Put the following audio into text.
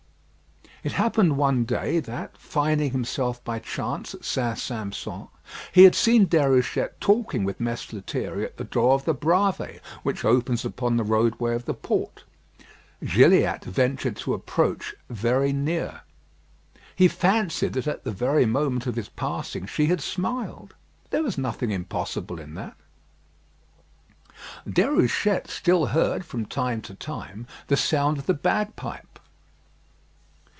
It happened one day that, finding himself by chance at St. Sampson, he had seen Déruchette talking with Mess Lethierry at the door of the Bravées, which opens upon the roadway of the port. Gilliatt ventured to approach very near. He fancied that at the very moment of his passing she had smiled. There was nothing impossible in that. Déruchette still heard, from time to time, the sound of the bagpipe.